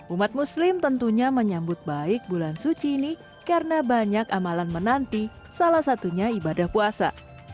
umat muslim tentunya menyambut baik bulan suci ini karena banyak amalan menanti salah satunya ibadah puasa